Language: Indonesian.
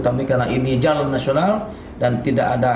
tapi karena ini jalan nasional dan tidak ada